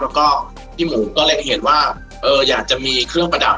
แล้วก็พี่หมูก็เลยเห็นว่าเอออยากจะมีเครื่องประดับ